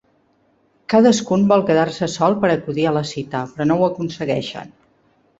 Cadascun vol quedar-se sol per acudir a la cita, però no ho aconsegueixen.